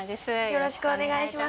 よろしくお願いします。